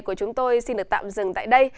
của chúng tôi xin được tạm dừng tại đây